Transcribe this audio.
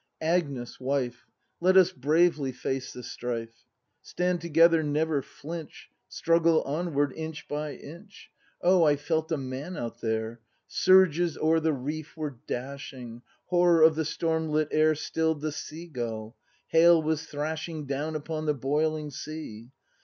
Agnes, wife. Let us bravely face the strife; Stand together, never flinch, Struggle onward, inch by inch. Oh, I felt a man out there! Surges o'er the reef were dashing; Horror of the storm lit air Still'd the sea gull; hail was thrashing Down upon the boiling sea.